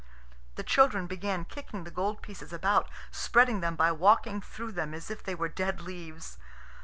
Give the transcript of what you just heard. The children began kicking the gold pieces about, spreading them by walking through them as if they were dead leaves.